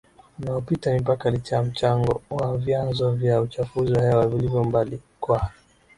unaopita mipakaLicha ya mchango wa vyanzo vya uchafuzi wa hewa vilivyo mbali kwa